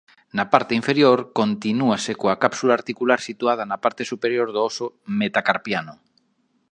Na parte inferior continúase coa cápsula articular situada na parte superior do óso metacarpiano.